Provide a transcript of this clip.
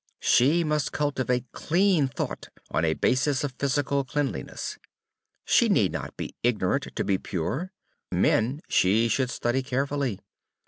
_ She must cultivate clean thought on a basis of physical cleanliness. She need not be ignorant to be pure. Men she should study carefully.